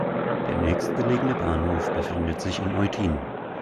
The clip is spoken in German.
Der nächstgelegene Bahnhof befindet sich in Eutin.